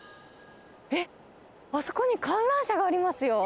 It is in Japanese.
えっ、あそこに観覧車がありますよ。